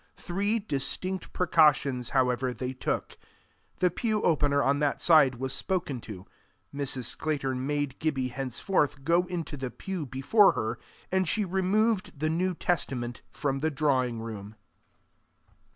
Three distinct precautions, however, they took; the pew opener on that side was spoken to; Mrs. Sclater made Gibbie henceforth go into the pew before her; and she removed the New Testament from the drawing room.